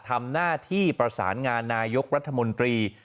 ทำหน้าที่ประสานงานนายกรัฐมนตรี